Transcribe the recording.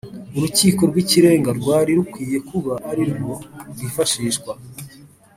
Urukiko rw’ikirenga rwari rukwiye kuba ari rwo rwifashishwa